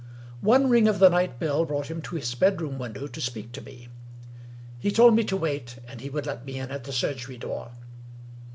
One ring of the night bell brought him to his bedroom window to speak to me. He told me to wait, and he would let me in at the surgery door.